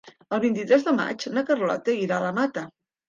El vint-i-tres de maig na Carlota irà a la Mata.